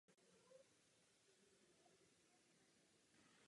Jaké jsou další odhadované náklady?